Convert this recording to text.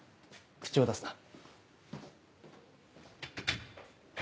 口を出すな。